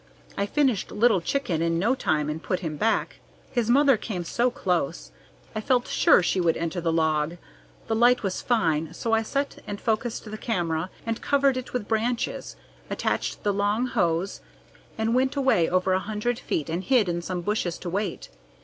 I finished Little Chicken in no time and put him back. His mother came so close, I felt sure she would enter the log. The light was fine, so I set and focused the camera and covered it with branches, attached the long hose, and went away over a hundred feet and hid in some bushes to wait.